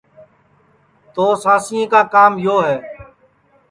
تو سانسیں کا کام یو ہے کہ